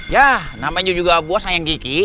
yah namanya juga bos sayang kiki